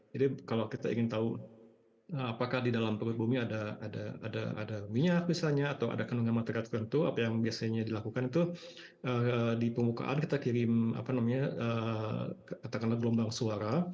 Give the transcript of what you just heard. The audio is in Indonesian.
jadi kalau kita ingin tahu apakah di dalam perut bumi ada minyak misalnya atau ada kenyaman terkentu apa yang biasanya dilakukan itu di permukaan kita kirim apa namanya katakanlah gelombang suara